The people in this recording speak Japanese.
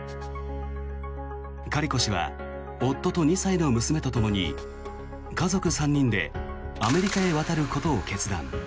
カリコ氏は夫と２歳の娘とともに家族３人でアメリカへ渡ることを決断。